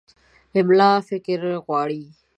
املا فکر غواړي.